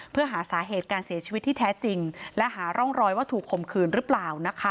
เพื่อหาสาเหตุการเสียชีวิตที่แท้จริงและหาร่องรอยว่าถูกคมคืนหรือเปล่านะคะ